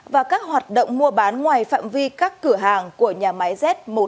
và các hoạt động mua bán ngoài phạm vi các cửa hàng của nhà máy z một trăm một mươi một